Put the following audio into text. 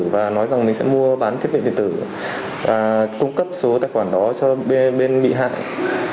và nói rằng mình sẽ mua bán thiết bị điện tử và cung cấp số tài khoản đó cho bên bị hại